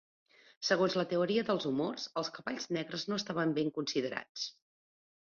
Segons la teoria dels humors, els cavalls negres no estaven ben considerats.